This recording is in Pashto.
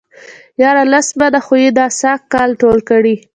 ياره لس منه خو يې دا سږ کال ټول کړي.